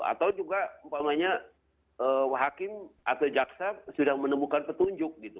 atau juga hakim atau jaksa sudah menemukan petunjuk gitu